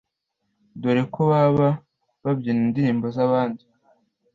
dore ko baba babyina indirimbo z’abandi